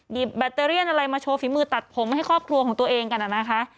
แบตเตอเรียนอะไรมาโชว์ฝีมือตัดผมให้ครอบครัวของตัวเองกันนะคะ